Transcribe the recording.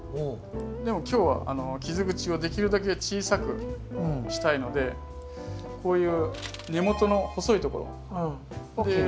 でも今日は傷口をできるだけ小さくしたいのでこういう根元の細いところ。を切る？